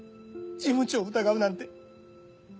事務長を疑うなんて